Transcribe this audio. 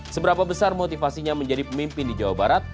seberapa besar motivasinya menjadi pemimpin di jawa barat